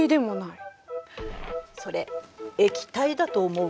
それ液体だと思う？